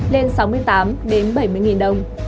lên sáu mươi tám đến bảy mươi đồng